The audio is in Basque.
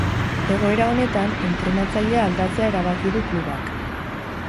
Egoera honetan, entrenatzailea aldatzea erabaki du klubak.